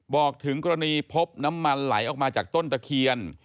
บอกถึงกรณีพบน้ำมันไหลออกมาจากต้นตะเคียน